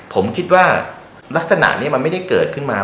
ผมคิดว่าลักษณะนี้มันไม่ได้เกิดขึ้นมา